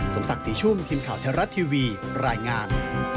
สมศักดิ์ศรีชุ่มทีมข่าวไทยรัฐทีวีรายงาน